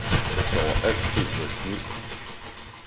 Jeg sover altid med kniv!